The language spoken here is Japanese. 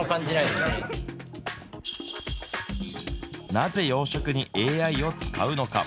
なぜ養殖にＡＩを使うのか。